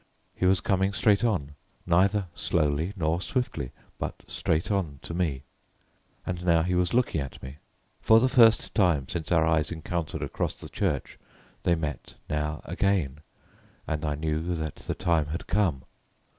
He was coming straight on, neither slowly, nor swiftly, but straight on to me. And now he was looking at me. For the first time since our eyes encountered across the church they met now again, and I knew that the time had come.